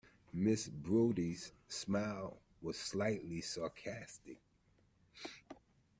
Miss Brodie's smile was slightly sarcastic.